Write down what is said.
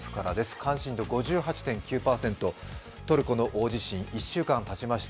関心度５８．９％、トルコの大地震、１週間たちました。